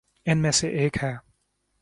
ان میں سے یہ ایک ہے۔